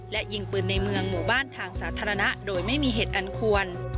และยิงปืนในเมืองหมู่บ้านทางสาธารณะโดยไม่มีเหตุอันควร